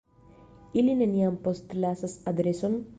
Ili neniam postlasas adreson?